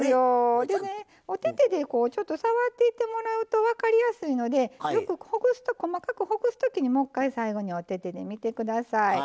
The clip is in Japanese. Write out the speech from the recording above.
お手々でこうちょっと触っていってもらうと分かりやすいので細かくほぐす時にもう１回最後にお手々で見て下さい。